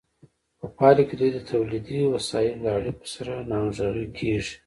په پایله کې دوی د تولیدي وسایلو له اړیکو سره ناهمغږې کیږي.